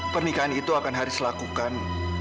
pernikahan itu akan haris lakukan